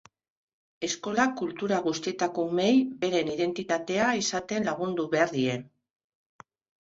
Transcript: Eskolak kultura guztietako umeei beren identitatea izaten lagundu behar die.